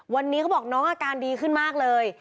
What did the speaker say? วันนี้เขาบอกน้องอาการดีขึ้นมากเลย